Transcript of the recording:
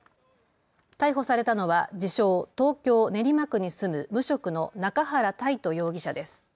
逮捕されたのは自称、東京練馬区に住む無職の中原泰斗容疑者です。